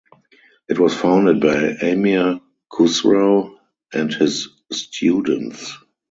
It was founded by Amir Khusrau and his students.